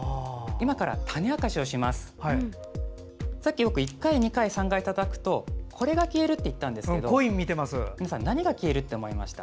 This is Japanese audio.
僕、さっき１回、２回、３回たたくとこれが消えると言ったんですけど何が消えると思いました？